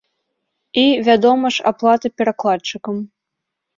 І, вядома ж, аплата перакладчыкам.